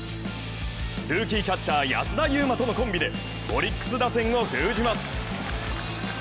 ルーキーキャッチャー、安田悠馬とのコンビでオリックス打線を封じます。